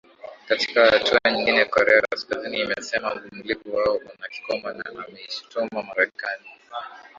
katika hatua nyingine korea kaskazini imesema uvumilivu wao una kikomo na ameishutumu marekani